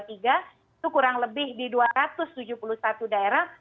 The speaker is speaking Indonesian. itu kurang lebih di dua ratus tujuh puluh satu daerah